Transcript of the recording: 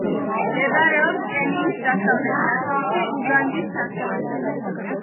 მდებარეობს კენიის დასავლეთ ნაწილში, უგანდის საზღვარზე.